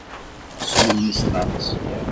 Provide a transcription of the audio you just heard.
subministradas